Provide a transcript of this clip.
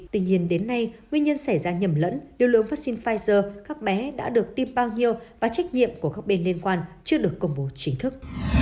tuy nhiên đến nay nguyên nhân xảy ra nhầm lẫn điều lượng vaccine pfizer các bé đã được tiêm bao nhiêu và trách nhiệm của các bên liên quan chưa được công bố chính thức